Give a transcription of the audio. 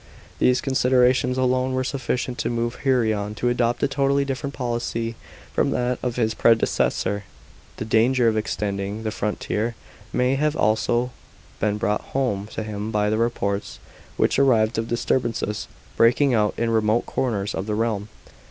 These con siderations alone were sufficient to move Haurian to adopt a totally different policy from that of his predecessor. The danger of ex tending the frontier may have al*o been brought home to him by the reports which arrived of disturbances breaking out in remote 118 A.D. CONSPIRACY OF NIGRINU6. 496 corners of the realm.